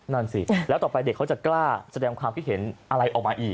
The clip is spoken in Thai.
นั่นสิแล้วต่อไปเด็กเขาจะกล้าแสดงความคิดเห็นอะไรออกมาอีก